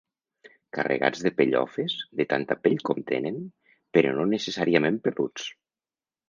Carregats de pellofes, de tanta pell com tenen, però no necessàriament peluts.